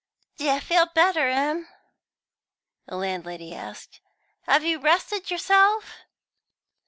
"Do you feel better, 'm?" the landlady asked. "Have you rested yourself?"